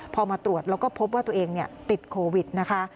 พอมาตรวจแล้วก็พบว่าตัวเองติดโควิดนะคะ